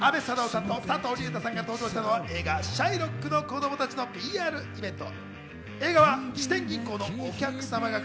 先週金曜日、阿部サダヲさんと佐藤隆太さんが登場したのは映画『シャイロックの子供たち』のＰＲイベント。